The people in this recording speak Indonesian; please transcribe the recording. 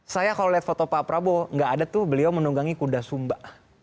saya kalau lihat foto pak prabowo gak ada tuh beliau menunggangi kuda sumba